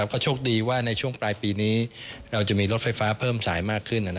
ก็โชคดีว่าในช่วงปลายปีนี้เราจะมีรถไฟฟ้าเพิ่มสายมากขึ้น